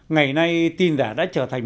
ngày nay tin giả đã trở thành